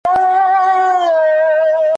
خو ډېر ژر ښځه په سترګو نابینا سوه ,